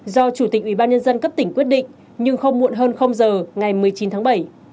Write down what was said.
do chủ tịch ubnd cấp tỉnh quyết định nhưng không muộn hơn giờ ngày một mươi chín tháng bảy